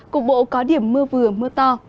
cục bộ có điểm mưa vừa mưa to